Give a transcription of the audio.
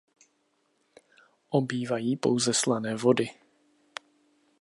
Obývají pouze slané vody.